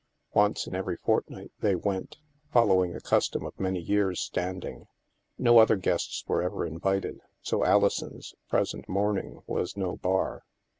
Once in every fortnight they went, following a cus tom of many years' standing. No other guests were ever invited, so Alison's present mourning was no bar.